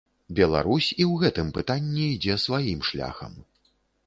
Беларусь і ў гэтым пытанні ідзе сваім шляхам.